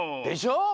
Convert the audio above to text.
でしょ？